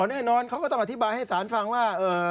แน่นอนเขาก็ต้องอธิบายให้ศาลฟังว่า